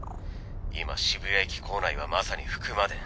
今渋谷駅構内はまさに伏魔殿。